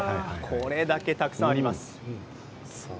これだけたくさんあります。